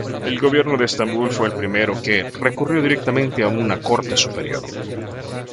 El gobierno de Estambul fue el primero que recurrió directamente a una corte superior.